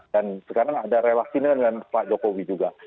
dan sekarang ada relaksinya dengan pak jokowi juga